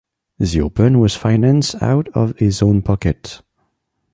The Open was financed out of his own pocket.